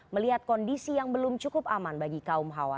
melihat kondisi yang belum cukup aman bagi kaum hawa